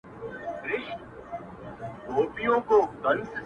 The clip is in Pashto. ما خو گيله ترې په دې په ټپه کي وکړه;